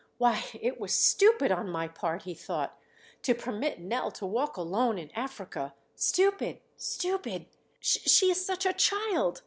"Why, it was stupid on my part," he thought, "to permit Nell to walk alone in Africa. Stupid, stupid. She is such a child!